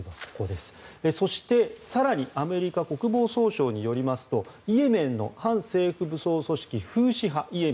そして、更にアメリカ国防総省によりますとイエメンの反政府武装組織フーシ派